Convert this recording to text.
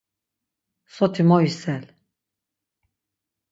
Soti mo yisel.